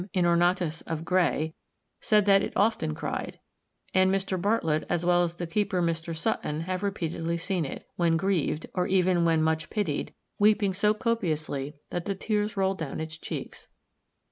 inornatus_ of Gray), said that it often cried; and Mr. Bartlett, as well as the keeper Mr. Sutton, have repeatedly seen it, when grieved, or even when much pitied, weeping so copiously that the tears rolled down its cheeks.